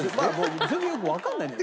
全然よくわかんないのよ。